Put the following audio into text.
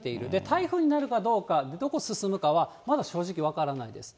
台風になるかどうか、どこ進むかは、まだ正直分からないです。